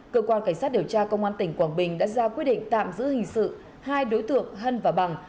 cơ quan cảnh sát điều tra công an tỉnh quảng bình đã ra quyết định tạm giữ hình sự hai đối tượng hân và bằng